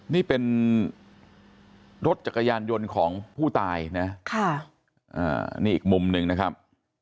นี่เป็นรถจักรยานยนต์ของผู้ตายนะนี่อีกมุมหนึ่งนะครับ